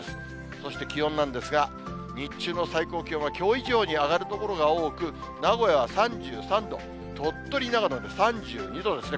そして気温なんですが、日中の最高気温は、きょう以上に上がる所が多く、名古屋は３３度、鳥取、長野で３２度ですね。